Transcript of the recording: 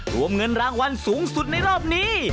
รวมเงินรางวัลสูงสุดในรอบนี้